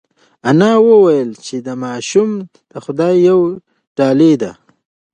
انا وویل چې دا ماشوم د خدای یوه ډالۍ ده.